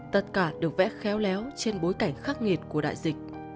tất cả được vẽ khéo léo trên bối cảnh khắc nghiệt của đại dịch